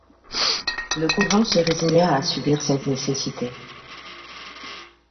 Le couvent se résigna à subir cette nécessité.